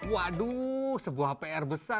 waduh sebuah pr besar